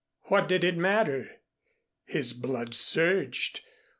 What did it matter? His blood surged.